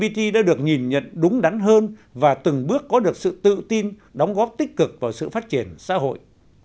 cộng đồng lgbt đã được nhìn nhận đúng đắn hơn và từng bước có được sự tự tin đóng góp tích cực vào sự phát triển xã hội